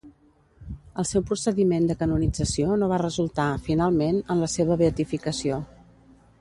El seu procediment de canonització no va resultar, finalment, en la seva beatificació.